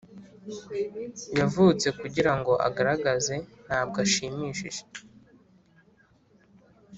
yavutse kugirango agaragaze, ntabwo ashimishije.